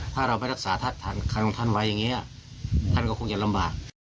ถ้าเราไปรักษาท่านไว้อย่างนี้ท่านก็คงจะลำบาก